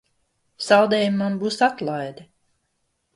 Saldējumam būs atlaide!